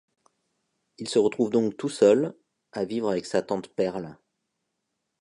Il se retrouve donc tout seul, à vivre avec sa tante Perle.